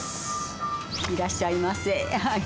いらっしゃいませはい。